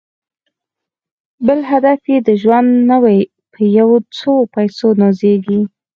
بل هدف یې د ژوند نه وي په یو څو پیسو نازیږي